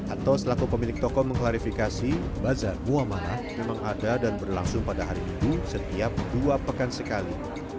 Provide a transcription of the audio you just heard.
anto selaku pemilik toko mengklarifikasi bazar muamalah memang ada dan berlangsung pada hari itu setiap dua pekan sekali